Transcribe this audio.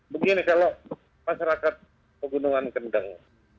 begini kalau masyarakat pegunungan kendeng